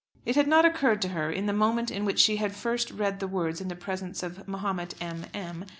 It had not occurred to her in the moment in which she had first read the words in the presence of Mahomet M. M.